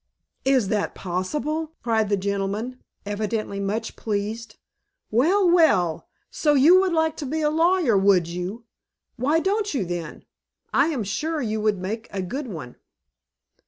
"Is that possible!" cried the gentleman, evidently much pleased. "Well, well! So you would like to be a lawyer, would you? Why don't you, then? I am sure you would make a good one."